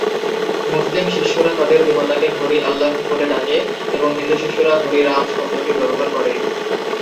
মুসলিম শিষ্যরা তাদের দেবতাকে হরি-আল্লাহ বলে ডাকে এবং হিন্দু শিষ্যরা হরি রাম শব্দটি ব্যবহার করে।